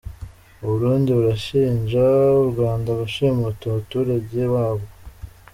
U Burundi burashinja u Rwanda gushimuta umuturage wabwo.